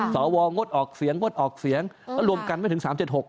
สวยงดออกเสียงงดออกเสียงแล้วรวมกันไม่ถึง๓๗๖